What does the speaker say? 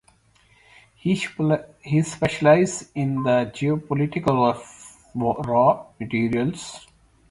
He specializes in the geopolitics of raw materials.